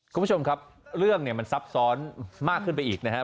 คุณผู้ชมครับเรื่องเนี่ยมันซับซ้อนมากขึ้นไปอีกนะครับ